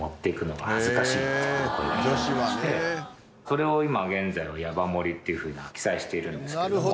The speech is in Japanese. それを今現在は「ヤバ盛り」っていうふうに記載しているんですけども。